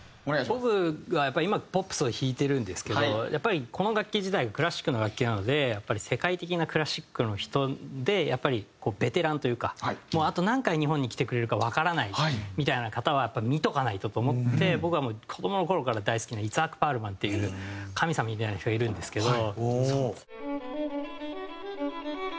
僕はやっぱ今ポップスを弾いてるんですけどやっぱりこの楽器自体がクラシックの楽器なのでやっぱり世界的なクラシックの人でやっぱりベテランというかあと何回日本に来てくれるかわからないみたいな方はやっぱり見とかないとと思って僕はもう子どもの頃から大好きなイツァーク・パールマンっていう神様みたいな人がいるんですけど。